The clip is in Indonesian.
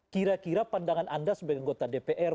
kira kira pandangan anda sebagai anggota dpr